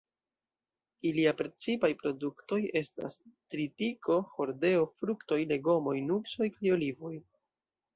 Iliaj precipaj produktoj estas tritiko, hordeo, fruktoj, legomoj, nuksoj, kaj olivoj.